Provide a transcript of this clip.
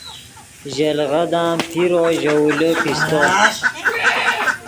ژے لیغدان پیرو ژے اولے پیستو